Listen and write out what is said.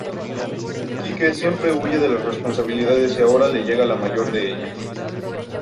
Kike siempre huye de las responsabilidades y ahora le llega la mayor de ellas.